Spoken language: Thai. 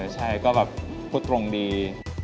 ใช่ก็แบบพูดตรงดี